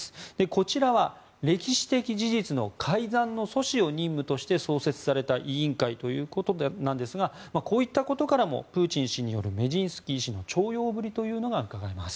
こちらは歴史的事実の改ざんの阻止を任務として創設された委員会ということなんですがこういったことからもプーチン氏によるメジンスキー氏の重用ぶりがうかがえます。